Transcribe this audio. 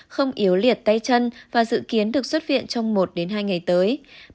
không yếu liệt tay chân và dự kiến được xuất viện trong một hai ngày tới